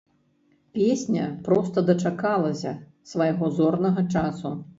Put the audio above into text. Песня проста дачакалася свайго зорнага часу.